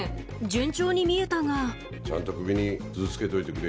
順調に見えたがちゃんと首に鈴つけといてくれや。